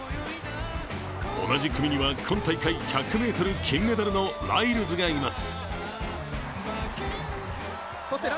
同じ組には今大会１００ｍ金メダルのライルズがいます。